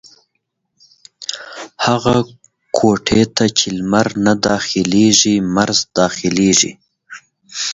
هغي کوټې ته چې لمر نه داخلېږي ، مرض دا خلېږي.